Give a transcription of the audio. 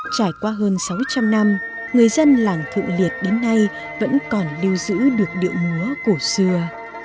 trải qua hơn sáu trăm linh năm người dân làng thượng liệt đến nay vẫn còn lưu giữ được điệu múa cổ xưa